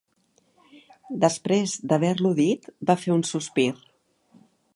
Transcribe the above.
Després d'haver-lo dit va fer un sospir